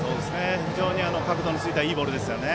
非常に角度のついたいいボールでしたね。